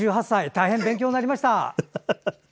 大変、勉強になりました。